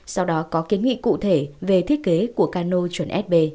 sau đó có kiến nghị cụ thể về thiết kế của cano chuẩnsb